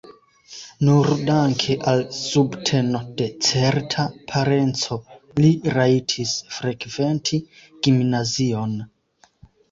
Nur danke al subteno de certa parenco li rajtis frekventi gimnazion.